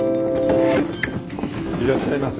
いらっしゃいませ。